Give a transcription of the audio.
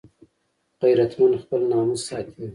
غیرتمند خپل ناموس ساتي